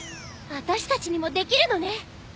私たちにもできるのね。